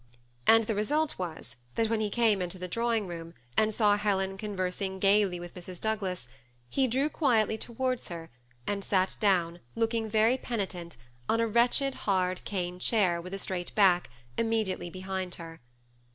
And the result was, that when he came into the draw ing room, and saw Helen conversing gaily with Mrs. Douglas, he drew quietly towards her, and sat down, looking very penitent, on a wretched, hard, cane chair with a straight back, immediately behind her.